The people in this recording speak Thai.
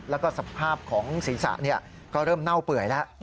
แล้วก็สภาพของศีรษะก็เริ่มเน่าเปื่อยแล้ว